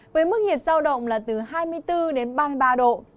với mức nhiệt giao động là từ hai mươi bốn đến ba mươi ba độ